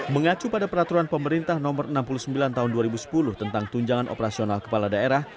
mengacu pada peraturan pemerintah no enam puluh sembilan tahun dua ribu sepuluh tentang tunjangan operasional kepala daerah